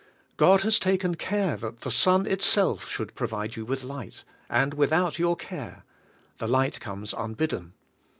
God has taken care that the sun itself should provide you with light; and without your care; the light comes unbidden.